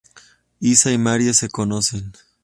Isa y Marie se conocen.